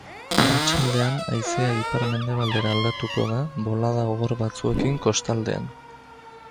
Arratsaldean haizea ipar-mendebaldera aldatuko da bolada gogor batzuekin kostaldean.